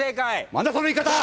何だその言い方！